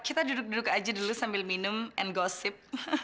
kita duduk duduk aja dulu sambil minum and gosip